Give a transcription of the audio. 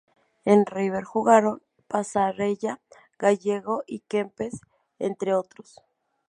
En River jugaron Passarella, Gallego y Kempes, entre otros.